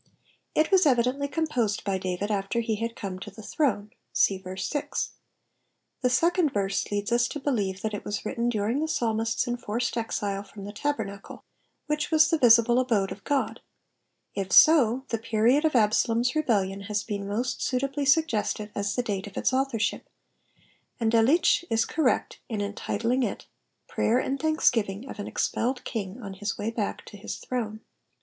It was evidently composed by David after he had come to Vie throne^— see verse 6. Tlie second verse leads us to believe that U was written during thepsalmisVs enforced exile from the tabernacle, which was the visible abode of God: if so, the period of Absalom's rebdlion has been most suitably suggested as the date of its authorship, atid Delitz.sch is correct in entitling it^ *• Prayer and thanksgiving of an expelled King on his way back to his throne.'